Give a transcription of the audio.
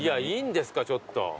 いいんですかちょっと。